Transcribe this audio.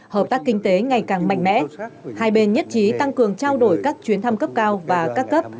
hợp tác kinh tế ngày càng mạnh mẽ hai bên nhất trí tăng cường trao đổi các chuyến thăm cấp cao và các cấp